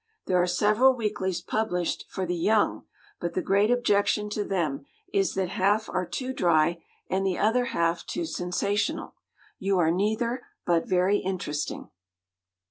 There are several weeklies published for the "young," but the great objection to them is that half are too dry, and the other half too sensational. You are neither, but very interesting.